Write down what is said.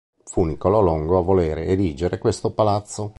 Fu Nicolò Longo a volere erigere questo palazzo.